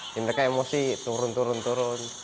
jadi mereka emosi turun turun turun